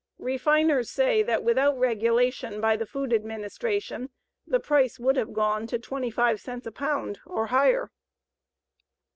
Refiners say that without regulation by the Food Administration the price would have gone to 25 cents a pound or higher.